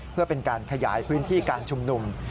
เพื่อเป็นการขยายพื้นที่การชุมนุม